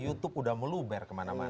youtube udah meluber kemana mana